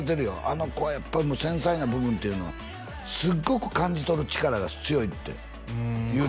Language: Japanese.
あの子はやっぱ繊細な部分っていうのはすっごく感じ取る力が強いって言うてたよ